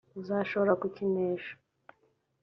uzashobora kukinesha